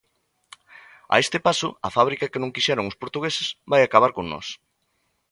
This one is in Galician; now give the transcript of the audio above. A este paso, a fábrica que non quixeron os portugueses, vai acabar con nós.